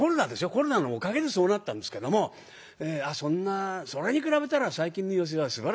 コロナのおかげでそうなったんですけどもそれに比べたら最近の寄席はすばらしいですね。